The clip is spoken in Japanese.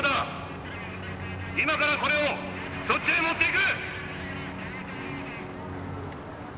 今からこれをそっちへ持っていく！